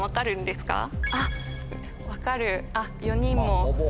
あっ分かる４人も。